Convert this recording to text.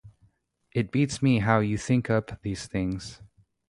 It beats me how you think up these things.